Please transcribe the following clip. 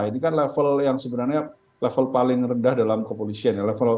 ini kan level yang sebenarnya level paling rendah dalam kepolisian